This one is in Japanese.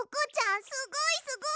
すごいすごい！